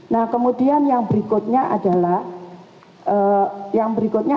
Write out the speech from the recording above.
nah kemudian yang berikutnya